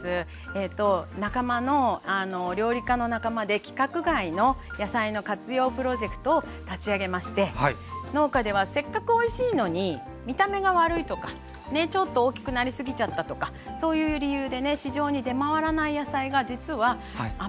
えと仲間の料理家の仲間で規格外の野菜の活用プロジェクトを立ち上げまして農家ではせっかくおいしいのに見た目が悪いとかちょっと大きくなりすぎちゃったとかそういう理由でね市場に出回らない野菜が実は余ってたりとかするんですね。